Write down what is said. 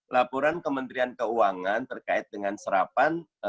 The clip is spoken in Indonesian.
laporan kementerian keuangan terkait dengan serapan